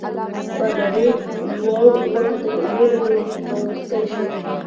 پادري لوړ وکتل ویې لیدو او مسکی شو.